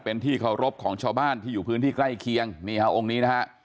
เป็นที่เคารพของชาวบ้านที่อยู่พื้นที่ใกล้เคียงนี่ฮะองค์นี้นะฮะ